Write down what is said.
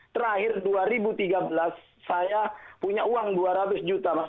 terakhir dua ribu tiga belas saya punya uang dua ratus juta mas